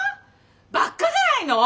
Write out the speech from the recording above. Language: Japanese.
バカじゃないの？